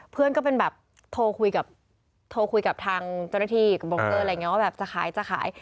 เพื่อนก็เป็นแบบโทรคุยกับโทรคุยกับทางเจ้าหน้าที่กับบังเกอร์อะไรอย่างนี้ว่าแบบจะขายจะขาย